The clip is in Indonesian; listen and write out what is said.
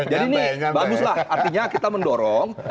jadi ini baguslah artinya kita mendorong